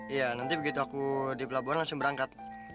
iya nanti begitu aku di pelabuhan langsung berangkat